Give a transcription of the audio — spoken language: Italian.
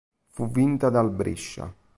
Fu vinta dal Brescia.